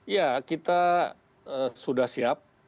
ya kita sudah siap